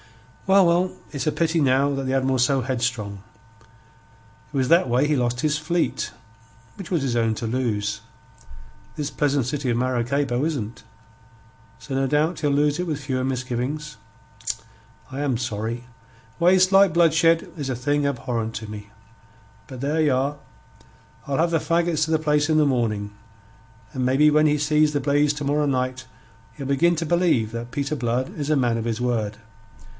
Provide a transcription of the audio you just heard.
"Well, well, it's a pity now that the Admiral's so headstrong. It was that way he lost his fleet, which was his own to lose. This pleasant city of Maracaybo isn't. So no doubt he'll lose it with fewer misgivings. I am sorry. Waste, like bloodshed, is a thing abhorrent to me. But there ye are! I'll have the faggots to the place in the morning, and maybe when he sees the blaze to morrow night he'll begin to believe that Peter Blood is a man of his word.